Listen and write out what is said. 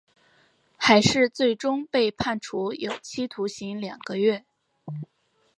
海氏最终被判处有期徒刑两个月。